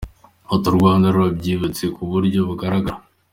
Ati “ U Rwanda rwariyubatse ku buryo bugaragara.